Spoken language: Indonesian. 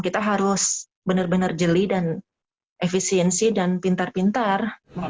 kita harus benar benar jeli dan efisiensi dan pintar pintar